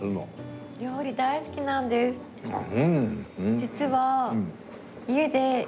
実は。